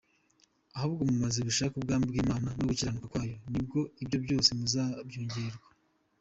Ahubwo mubanze mushake ubwami bw’Imana no gukiranuka kwayo ni bwo ibyo byose muzabyongererwa.